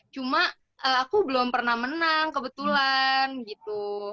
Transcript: cuma aku belum pernah menang kebetulan gitu